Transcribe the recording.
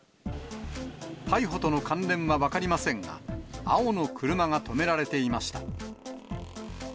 逮捕との関連は分かりませんが、青の車が止められていました。